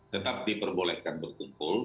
tetap diperbolehkan berkumpul